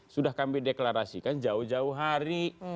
sudah kami deklarasikan jauh jauh hari